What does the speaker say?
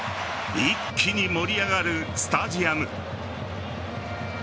一気に盛り上がるスタジアム。